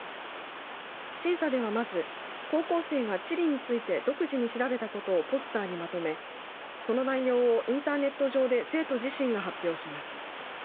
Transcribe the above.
審査では、まず高校生が地理について独自に調べたことをポスターにまとめその内容をインターネット上で生徒自身が発表します。